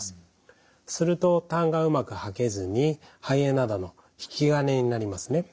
するとたんがうまく吐けずに肺炎などの引き金になりますね。